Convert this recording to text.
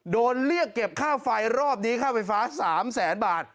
โดนเรียกเก็บค่าไฟรอบนี้ค่าไฟฟ้า๓แสนบาท